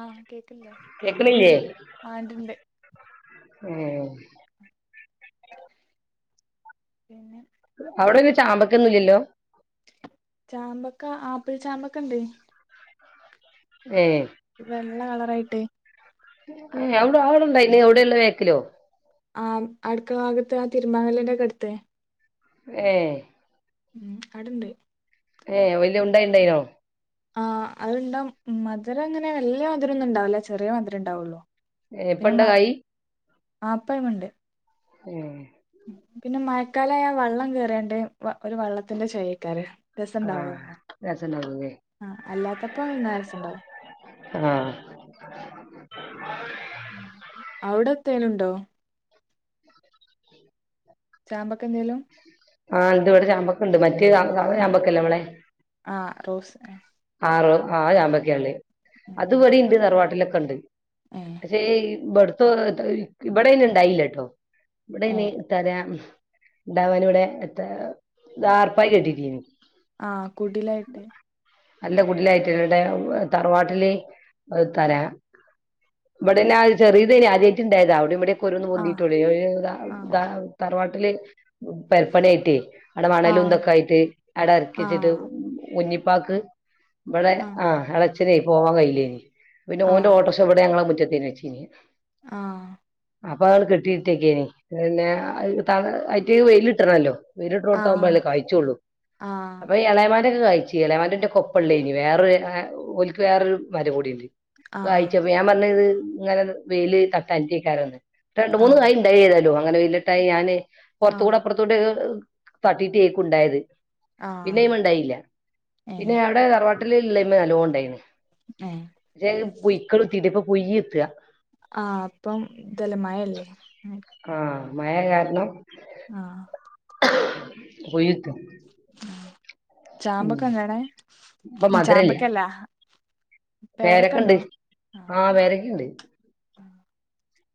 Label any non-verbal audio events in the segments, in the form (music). ആഹ് കേക്കില്ലേ കേക്കണില്ലേ ആ ഇണ്ട് ഇണ്ട് ഏ പിന്നെ അവിടൊരു ചാമ്പക്കൊന്നുംല്ലല്ലോ ചാമ്പക്ക ആപ്പിൾ ചാമ്പക്ക ഉണ്ട് ഏ വെള്ള കളറായിട്ട് ഏ ഔടെ അവടെണ്ടായി ഇനി എവിടെയള്ള വേക്കലോ ആ അടുക്കള ഭാഗത്ത് ആ തിരുമ്പാക്കല്ലിന്റെ ഒക്കെ അടുത്ത് ഏ ഉം അടണ്ട് ഏ വല്യ ഉണ്ടായി ണ്ടായിനോ ആ അഹ്ണ്ടംമധുരം അങ്ങനെ വല്യ മധുരംന്നും ഉണ്ടാവുല ചെറിയ മധുരം ഉണ്ടാവള്ളൂ ഏ പ്പണ്ടോ കായി ആ പ്പയുംണ്ട് ഉം പിന്നെ മഴക്കാല ആയ വെള്ളം കേറിയ ണ്ട് ഒരു വെള്ളത്തിന്റെ ചൊയയ്കാരം ആഹ് രസംഉണ്ടാവന്ന രസണ്ടാവൂലേ ആ അല്ലാത്തപ്പോന്നാ രസുണ്ടാവും ആഹ അവിടെ തേനുണ്ടോ ഉ ചാമ്പക്ക എന്തേലും ആഹ എന്ത് ഇവിടെ ചാമ്പക്കുണ്ട് മറ്റേ ചമ്പക്കല്ലേ ഇവിടെെ ആ റോസ് ആ ആറ ആ ഞാമ്പക്കല്ലേ അത്പടി ത റവാട്ടിലൊക്കെ ഉണ്ട് ഏ പക്ഷെ ഇബടെത്ത (unintelligible) ഇബടെടയിന ഡായി ലേട്ടോ ഏ (unintelligible) ഉണ്ടാവാൻ ഇവിടെ എത്ര ദാ ർപ്പായി കെട്ടിട്ടിനീ ആഹ കുടിലായിട്ടെ നല്ല കുടിലായിട്ടടെ തറവാട്ടില് തരാ ഇവിടെല്ലാ ചെറിയത തെ ആദ്യമായിട്ട ഉണ്ടായത അവിടെ ഇവിടെ (unintelligible) (unintelligible) ആഹ് പൊന്നിട്ടുള്ളേ ആഹ് തറവാട്ടില് പെർപ്പണി ആയിട്ട് അവിടെ ആഹ് മണലുംന്തൊക്കെ ആയിട്ട് അവിടെ അറക്കിട്ട് ട്ട് (inaudible) (unintelligible) ക്ക് ഇവിടെ ആഹ് ആ ഇള ച്ചനായി പോവാൻ കഴയില്ലേനി പിന്നെ ഓന്റെ ഓടോർഷാ ഇവിടെ ഞങ്ങടെ മുറ്റത്തെ വെചിന് ആഹ അപ്പൊ അവള് കെട്ടിയിട്ടേക്കേനി പിന്നെ ത അറ്റ വെയിലിട്ടണല്ലോ വീരിട്ട് ആഹ് ോട്ടാവകുമ്പോല്ലേ കഴിച്ചുള്ളൂ അപ്പൊ ഇളയമാന്റെക്കെ കാഴിച്ചു എളമന്റെ ന്റെ കൊപ്പള്ളേ ഇനി വേറൊ ഒലക്ക് വേറൊരു മര കൂടിേ ആഹ് കാ ആഹ് യിച്ചപ്പ ഞാൻ പറഞ്ഞത് ഇങ്ങനെ വെയില് തട്ടാഞ്ട്ടയ് കാരം രണ്ട ആഹ് മൂന്ന് ആഹ് കൈ ഉണ്ട ഴതല്ലോ അങ്ങനെ വല്ലിട്ടായി ഞാാന് പുറത്ത ആഹ് കൂടെ അപ്പുറത്ത കൂടെ തർട്ടി ടിക്ക ഉണ്ടായത് പിന്നെയ ആഹ് ഉണ്ടായില്ല ഏഹ് പിന്നെ അവിടെ തറവാ ട്ടലല്ല്മ നലോണ്ടായിന് ഏഹ് പക്ഷേ പീക്കളു ത്തിീട്ട ഇപ്പൊ പുയ്യ്ത്തുക ആഹ അപ്പം ദല്ലെ മയയല്ലേ ആഹ മയ കാരണം ആഹ പൂയ്യ്‌ത ചാമ്പക്ക എങ്ങണ ചാമ്പക്കല്ലാ പേ രൊക്കെുണ്ട് ആഹ് ആഹ പേ രൊക്കെുണ്ട്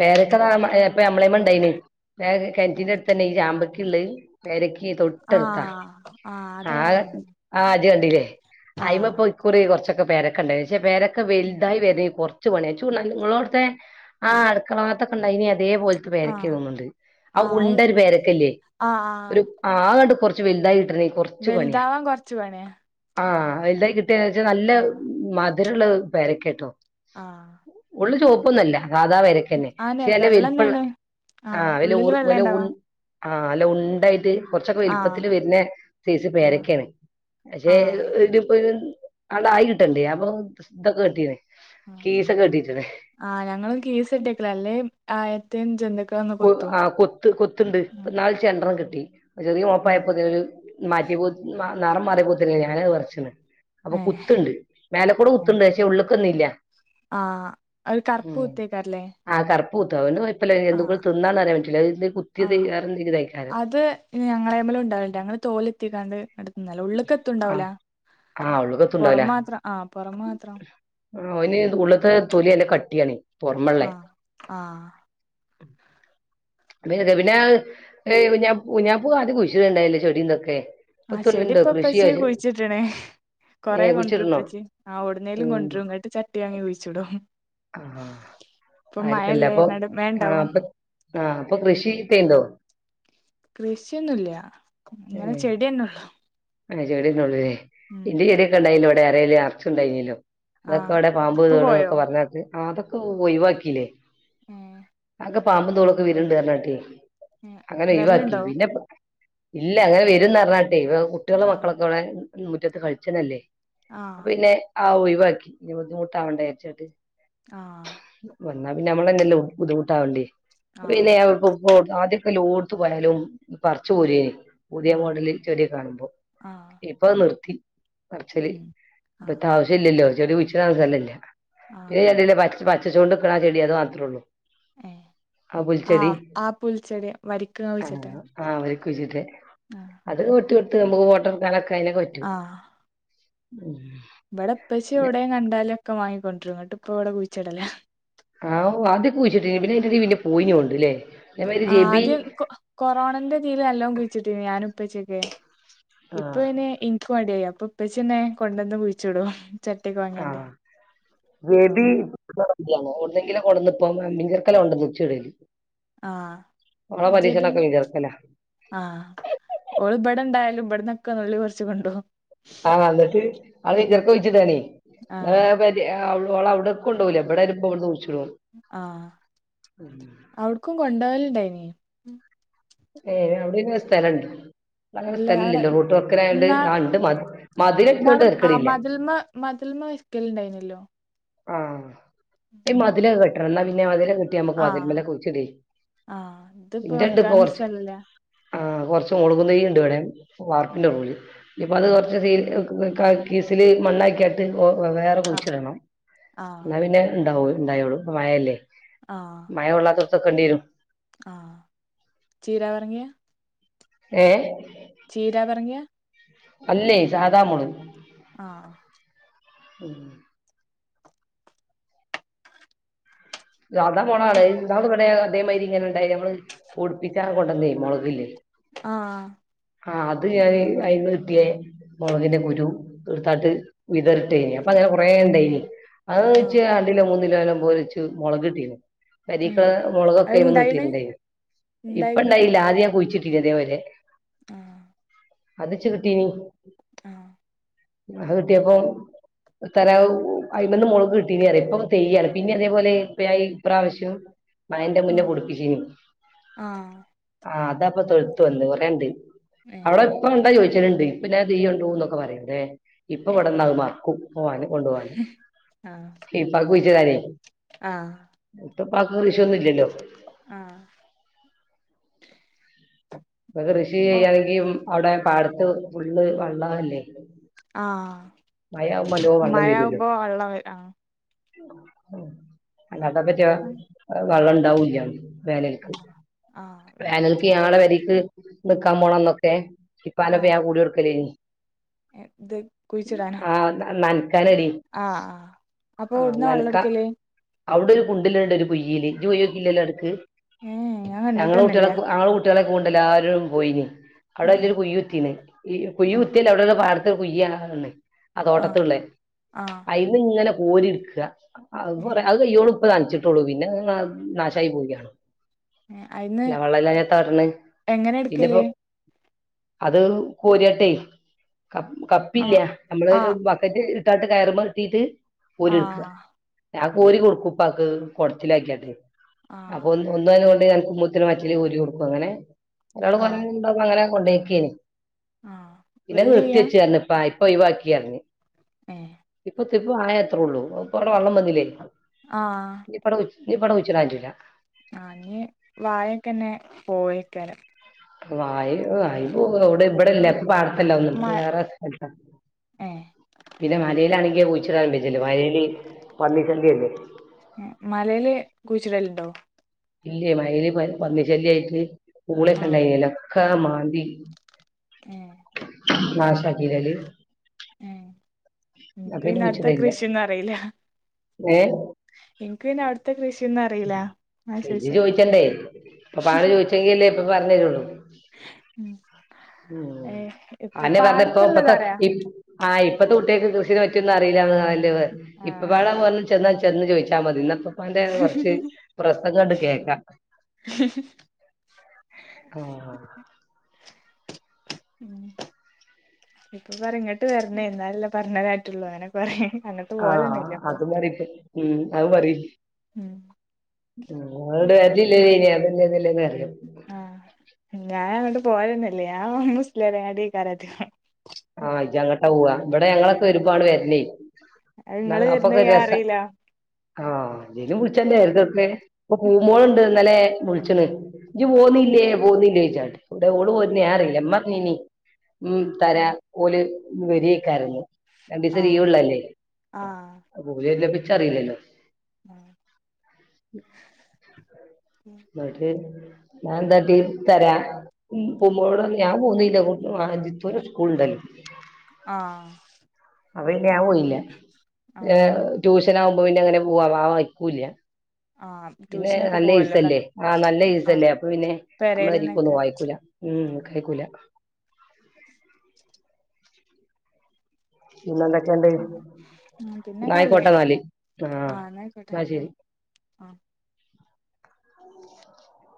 പേരൊക്കെപ്പ അമ്മളേ മണ്ടന് കറ്റീൻ അടുത്ത് തന്നെ ഈ ചാമ്പക്ക ഉള്ള പേരക്ക് ീ തൊട്ടെടുത്താ ആഹ് ആ അതവിടെ കണ്ട് ആ അത് കണ്ടില്ലേ അയി്മപ്പ ആഹ് ഇക്കുറി കുറച്ചൊക്കെ പേരക്കെ ഉണ്ടായിേ പേരക്കെ വലുതായി വര ചണ നിങ്ങളോടത്തെ ആ അടുക്കളകത്തൊക്കെണ്ട അതേ പോലത്തെ പേരക്ക ആഹ് തോന്നുന്നുണ്ട് ആ ആഹ് ഉണ്ട ഒരു പേ രക്കല്ലേ ഒരു ആഹ് ആ കണ്ട് കുറച്ച് വെല്ദായി റ പണിയ വലുതാവാൻ കൊറച്ച് പണിയാ ആ കിട്ട നല്ല രള്ള പേരക്കേട്ടോ ആഹ സാധാവ വരക്കന്നെ പക്ഷെ അല്ല വെള്ളം വൽപ്പള്ള എന്താണ് ആ ആഹ് വല ഉള്ളില് വെള്ളം വല ഇണ്ടാവാ ആഹ അല്ല ഉണ്ടായിത് കുറച്ചൊക്കെ ആഹ് വലുപ്പത്തില്ൽ വരുന്ന സേസ് ആഹ് പേരൊക്കെയാണ് പക്ഷേ ആഹ് ഇതിനിപ്പോ അള ആയികിട്ടണ്ടേ അപ്പൊ ഇതൊക്കെ കട്ടീനേ ആ ഞങ്ങളും കീസ് ഇട്ടക്കല അല്ലേ എ ത്തെ ചന്ത കൊ ആ കൊത്ത് കൊത്തുണ്ട് നാൾ ചെണ്ടെണം കിട്ടി ചെറിയ മ ഉം മുപ്പായപ്പോരു മാറ്റി നിറം മാറി പോത്തി ഞാനത് വറച്ചണ് അപ്പൊ ഏഹ് കുത്തണ്ട് മേലെക്കൂടെ കുത്തുണ്ട് പക്ഷെ ഉള്ളക്ക ഒന്നും ഇല്ല ആഹ ഒരുര് കറുപ്പ് കുത്തേക്കാറല്ലേ പൂത്തന ഇപ്പ എ ആ ഇതായിക്കാരം അത് ഞങ്ങളമ്മലം ഉണ്ടാവില്ലേ ഞങ്ങൾ തോലെത്തിക്കാണ്ട് എട്ത്തുന്നല്ല ഉള്ള്ക്കെത്തുണ്ടാവ് ആ ല ആ പുറം ഉള്ള്ക്കത്തുണ്ടാവൂല മാത്രം ആ പുറം മാത്രം ആ ഓയിന് ത് ഉള്ള്ത്തെ തൊലിയ അല്ല കട്ടിയണ ആഹ് ആഹ് (unintelligible) ചെടീന്തൊക്കെ ആ ചെടിപ്പ ഇപ്പച്ചീ കുഴിച്ചിട്ട്ണ് കൊറെ കുഴിച്ചിടണോ കൊണ്ടിപ്പച്ചി ആ ഓടുന്നേലും ഉം കൊണ്ടരങ്ങട്ട് ചട്ടി അങ്ങി കുഴിച്ചുടും ആ ആക്കല്ല അപ്പൊ പറഞ്ഞാണ്ട് ആ മേണ്ടാവും അപ്പൊ ആ അപ്പൊ കൃഷിത്തേ ഇണ്ടോ കൃഷിയൊന്നുംല്ല ഇങ്ങനെ ചെടിയന്നെള്ളു ഏ ചെടിയന്നെള്ളൂലെ എന്റെ ചെടിയൊക്കെണ്ടായില്ലോ അവിടെ അരല അറച്ച ഉണ്ടായിഞ്ഞല്ലോ തൊക്കെ ആഹ് അവിടെ പാമ്പ് ഇപ്പ പോയോ തോളൊക്കെ പറഞ്ഞെട്ട് ആ അതൊക്കെ ഒഴിവാക്കില്ലേ ഏഹ് അക്കെ പാമ്പും തോളൊക്കെ വിരണ്ട് ർഞാട്ട് ഏഹ് അങ്ങനെ ഒയിവാകി വെരലുണ്ടോ ഇല്ല അങ്ങനെ വരുംന്നർഞ്ഞാട്ടെ ഇപ്പ കുട്ടികള ആഹ് മക്കളൊക്കെ ഇവിടെ മുറ്റത്ത് കളിച്ചനല്ലേ അപ്പ ആഹ് പിന്നെ ആ ഒഴിവാക്കി ഇനി ബുദ്ധിമുട്ടാവണ്ട രിച്ചിട്ട് ആഹ് പിന്നെ നമ്മളെന്നെല്ലെ ബുദ്ധിമുട്ടാവണ്ടേ ആഹ് പിന്നെ ആദ്യ പ്പ ലോടുത്തും പോയാലും പറച്ചു പോരെ പുതിയ ആഹ് മോഡല് ചെടിയെകെ കാണുമ്പോൾ ആഹ് ഇപ്പൊ നിർത്തി പറച്ചല് ഉം ആഹ് ഇപ്പത്തെ ആവശ്യം ഇല്ലല്ലോ ചെടി കുയിച്ചിടാൻ സ്ഥല ഇല്ല ആഹ് ഈയ് അണ്ടിലെ പച് പച്ചച്ചോണ്ട്ക്ക്‌ണ ആ ചെടി അത് മാത്രേ ഉള്ളൂ ഏ ആ ആ പുൽച്ചെടി വരിക്ക്ങ്ങെ കുയ്ച്ചിട്ടെ കുയ്ച്ചിട്ട അത് ഒട്ട് എത്ത് വോട് (unintelligible) അയിനെക്ക് പറ്റും ആഹ് ഉം ഇവിടെ എപ്പച്ചി എവിടെ കണ്ടാലും ക്കെ വാങ്ങിക്കൊണ്ടരും ങ്ങട്ട് പ്പ ഇവിടെ കുഴിച്ചടല ആഓ ആദ്യെക്കെ കുയിച്ചിട്ടിഞ്ഞി പിന്നെഐന്റി ടേല് പിന്നെ പോയിഞ്ഞി ഒണ്ട്ലെ ആ ആദ്യം കൊ കൊറോണന്റെ തീല് നല്ലോം കുഴിച്ചിട്ടിഞ്ഞി ഞാനു പ്പച്ചി ഒക്കെ ആ ഇപ്പൊ ഇന് ഇൻക് മടിയായി അപ്പൊ ഇപ്പച്ചിന്നെ കൊണ്ടന്ന് കുഴിച്ചുടോ ആഹ് വേബി (unintelligible) ആഹ് ന്റെ ബിൻ മിഞ്ചർക്കല ആഹ് ഓള്ബടെണ്ടായാലും ഇവട്ന്നൊക്കെ നുള്ളിപ്പറിച്ചുകൊണ്ടോവും ആഹ് എന്നിട്ട് അവള് (unintelligible) കുഴിച്ചിടാന് ആഹ് (unintelligible) ഓളവ്ടകൊണ്ടോ ഊല ബടെ ഒരു (unintelligible) ആഹ അവിട്ക്കും കൊണ്ടോവൽണ്ടായിനി ഏ അവിടെന്നെ സ്ഥലണ്ടോ വളരെ അല്ല സ്ഥ ഇല്ല അവിടെ ല്ലോ റൂട്ട് വക്നായോണ്ട് ഇന്നാ ആ ണ്ട് മദിലെട്ട്യോണ്ട് ര്ക്കടില്ല ൽന്നൊര്ക്കൽ ഉണ്ടായിനല്ലോ ആഹ ഇ മദിലെകെ കെട്ടണം ന്നാ പിന്നെ അതിര് ട്ട്യാ മ്മക്ക് ആഹ് മതിൽമലൊക്കെ കുഴിച്ചിടെ ആഹ് ഇതിപ്പോ വെക്കാനും സ്ഥലല്ല ആ കൊർച്ച് മുളുകുതൈണ്ട് ഇവടെ ഏഹ് വാർപ്പിന്റെറൂൽ ഇപ്പ അത് ഏഹ് കൊർച്ച് സീ വെൽകഹ്‌ കീസില് മണ്ണാക്ക്യാട്ട് ഒ വെവേറെ ആഹ് കുഴിച്ചിടണം ന്നാ ആഹ് പിന്നെ ഉണ്ടാവു ണ്ടായോളു പ മഴല്ലേ ആഹ് മഴ കൊള്ളാതോട്ത്തെക്കെണ്ടിരും ആഹ് ചീര പറങ്ക്യ ഏ ചീരാ പർങ്ക്യ അല്ലേ സാധാ മൊള് ആഹ് ഉം സാതാ മൊളാണ് നമ്മള് ഇവിടെ അതേമായിരി ഇങ്ങനെ ഉണ്ടായി നമ്മള് പൊടിപ്പിച്ചാ കൊണ്ടന്നേ മുളകില്ലേ ആഹ ആഹ് അത് ഞാൻ അയിന്ന് കിട്ടിയ മുളകിന്റെ കുരു തീർത്തായിട്ട് വിതറിട്ട കഴിഞ്ഞ - കുറെേ ഉണ്ടന് അത് ആഹ് വെച്ച് രണ്ടിലോ മൂന്നിലോ അല്ലല വെച്ച് മുളക് ഇട- കരിക്ക ഏഹ് അത് മുളകൊക്കെ ഇ വന്ന് ഇണ്ടായിണ് കിട്ടിട്ടുണ്ട ഇപ്പ ഇണ്ടായില്ല ആദ്യ ഞാൻ ഇതേ പോലെ ആഹ അതിച് കിട്ടിനി ആഹ അ കിട്ടിയപ്പോ തര അഴമന്ന് മുളക് കിട്ടീറ ഇപ്പം തെയ്യാണ് പിന്നെ അതേപോല പ്പായി ഇപ്രാവശ്യം മന്റെ മുന്നേ ആഹ് കുടുപ്പിച്ചീ ആഹ് ആ താപ്പൊ തൊഴു വന്ന് പറണ്ട് ഏഹ് അവിടെ ഇപ്പ ഉണ്ടാ ചോദിച്ച അണ്ട് ഇപ്പന്നഞൻ തെയ്യ ഉണ്ടോന്നൊക്കെ പറയല്ലേ ഇപ്പൊ ഏഹ് ഇവിടെന്നകമാക്കും പോവാന് കൊണ്ടു പോവാന് ഇപ്പൊ കുഴിച്ച താനേ ആഹ ഇപ്പാക്ക് കൃഷിയൊന്നുല്ലല്ലോ ആ ഇപ്പൊ കൃഷി ചെയ്യണെങ്കി അവിടെ പാടത്ത് ഫുള്ള് വെള്ളല്ലേ ആഹ മയാവുമ്പോ നല്ലോം വെള്ളം വരുലേ വരും അതപ്പറ്റിയ ആഹ് വെള്ളം ഉണ്ടാവുല്ല്യ വേനൽക്ക് ആഹ് ആഹ് വേനൽക്ക്യാളെ പരിക്ക് നക്കാൻ പോണന്നൊക്കെ ഇപ്പല ആഹ് പാ കൂടി വർക്കലേ ഇത് കുഴിച്ചിടാന ആഹ് നനക്കാനടി ആഹ ആഹ അപ്പൊ ആഹ് വിടന്ന് വെള്ളം നനക്ക എടുക്കലേ അവിടെ ഒരു കുണ്ടിലുണ്ട് ഒരു കുയയില് യ്യ് പോയാകില്ലല്ലോ ഏഹ് ഞാൻ ഞങ്ങളെ കുട്ടികള കണ്ടിട്ടന്നെല്ല ആെ കുട്ടികളെ കൊണ്ടല്ല ആരോും പോയിന് അവിടെ ഏഹ് വല്യൊരു കുയ്യുത്തിണ് ഈ കുയ്കുത്തിൽ അവിടെ ഒരു പാടത്ത് കുയ്യാല്ലേ ആ ആഹ് തോട്ടത്തുള്ളെ ആഹ് അയിന്ന് ഇങ്ങനെ കോരിയെടുക്ക കൊറ ഏഹ് അത് കയ്യോളും നനച്ചിട്ടുള്ളൂ പിന്നെ നാശയി പോവുയാണ് ഏഹ് അയിന്ന് ഇല്ല വെള്ളയില്ലാതെ എത്താ കാട്ട്ണ് എങ്ങനെ ഇന്ന്പ്പോ എടുക്കല് അത് കോരിയാട്ടെ ക ആഹ് കപ്പില്ലെ നമ്മള് ആഹ് ബക്കറ്റ് ഇട്ടാട്ട് കയറിമ്മെ കെട്ടീട്ട് ആ ഞാൻ കോരി കൊടുക്കും ഉപ്പാക്ക് കൊടത്തിലാക്കിയാട്ട് ആഹ് അപ്പൊ ഒന്നരണ്ട് ഞാ ഉുമ്മൂത്തിനന് കോരി വെക്കും അങ്ങനെ ഒരാള് ആഹ് കൊരാണ്ടന്ന് അങ്ങനെ കൊണ്ടെക്കീന്- ആഹ് ഇല്ല വല്യ കുഴിയാ നിർത്തിയെച്ചെന്നു പ്പാ ഇപ്പൊ ഒഴിവാക്കി യെന്നു പറഞ്ഞ് ഏ ഇപ്പം ആയത്ര ഉള്ളൂ പ്പവിടെ വെള്ളം വന്നില്ലേ ആ ഇനി ഇപ്പൗടെ കുഴിച്ചിടാൻ പറ്റൂല്ല ആ ഞ് വാഴക്കന്നെ പോയേക്കരം വായി വായി പോ അവിടെ ഇവിടെല്ല ഇപ്പ പാടത്തല്ല ഒന്നും ഇപ്പ വേറെ സ്ഥലത്താ ഏ പിന്നെ മലയിലാണെങ്കി കുഴിച്ചിടാൻ വെജ്ജല്ല മയിൽ പന്നി ശല്ല്യല്ലേ മലയില് കുഴിച്ചിടല്ലുണ്ടോ ഇല്ലേ മയിൽ പന്നി ശല്യയിട്ട് ആഹ് പൂളൊക്കെണ്ടായ്ന്നല്ലൊ ഒക്കെ മാന്തി ഏ നാശാക്കീലെ ഓല് ഏ പിന്നെ അവ്ടുത്തെ കുഴിച്ചിട്ടില്ല കൃഷിയൊന്നും അറിയില്ല ഏ എനിക്ക് പിന്നെ അവിടുത്തെ കൃഷിന്ന ഇജ്ജ് ചോദിച്ചണ്ടേ ഇപ്പാണ്ട് ചോദിച്ചെങ്കിലല്ലേ ഇപ്പ പറഞ്ഞരുള്ളൂ ഉം ഏഹ് അ ഇപ്പൊ അയ്ന്നെ പറഞ്ഞ് ഇപ്പ ഇപ്പത്തെ പാടത്തുള്ളതറിയാ ഇം ആയി ഇപ്പത്തെ കുട്ടിയാൾക്ക് കൃഷിനെ പറ്റിയൊന്നും അറിയില്ലാന്ന് ഇപ്പൊ ആഹ് പാടാ പോ ചെന്നാ ചെന്ന് ചോദിച്ചാൽ മതി ഇന്നപ്പ ഇപ്പാന്റെ കൊറച്ച് പ്രസംഗം ണ്ട് കേക്കാ ആ ഉം ഇപ്പൊ പറഞ്ഞിട്ട് വരണേ എന്നാലല്ല പറഞ്ഞ കാര്യ പറ്റൊള്ളു അയ്നെ പറയാൻ ആഹ അത് മറീട്ട് പ് ഉം അത് മറി ഉം ആുടെ അതില്ലേ അതില്ലേ ആ ഞാൻ അങ്ങട്ട് പോവലന്ന്യേല്ല ഞാൻ മുസ്ല്യാരങ്ങടി യാക്കാരം അധികം ആഹ് ഇജ്ജങ്ങട്ടാ പോവാ ഇവിടെ ഞങ്ങളൊക്കെ വരുമ്പാണ് വരണേ അഹ് നിങ്ങള് വരുന്നത് ഞാൻ അറിയില്ല ആഹ് ഇജ്ജും വിളിച്ചെന്നായിരുന്നു അല്ലെ ഇപ്പ പൂമോളുണ്ട് ന്നല്ലെ വിളിച്ചണ് ഇജി പോന്നില്ലേ പോന്നില്ലേ ചോയ്ച്ചാണ്ട് കൂടെ ഓള് പോര്ണത് ഏഹ് ഞാനറീല്ല ഇമ്മ പറഞ്ഞീനി ഇനി ഉം തരാ ഏഹ് വരേയ്ക്കോരം ഇനി രണ്ടീസം ആഹ് ലീവുള്ളതല്ലേ ആഹ് അപ്പൊ ഓല് ച്ചറിയില്ലല്ലോ ആഹ് മട്ടേ ഞാനെന്താട്ടീ തരാ പൂമ്മോളോട് ഞാൻ പോന്നീ അം ജിത്തൂന് സ്കൂൾ ഉണ്ടല്ലൊ ആ അവോണ്ട് ഞാ പോയില്ല്യ ആഹ് ട്യൂഷ് ഷനാകുമ്പോ പിന്നെ എങ്ങനെ പോവാ വാവ അയക്കൂല്ല്യ ആഹ് പിന്നെ ട്യൂഷനൊക്കെ നല്ല പോവല്ലോ ക ഈസല്ലേ ആ നല്ല ആഹ് ഈസല്ലേ അപ്പൊ പിന്നെ നമ്മളെ പെരീക്കൊന്നു പെരേലന്നെക്കെ പോവാനയക്കൂല ഉം ആഹ് കഴക്കൂല പിന്നെന്തൊക്കെയണ്ട് പിന്നെ ന്നാ പിന്നെക്കല്ലേ യിക്കോട്ടെ ന്നാല് ആ എന്ന ശരി ആ (inaudible)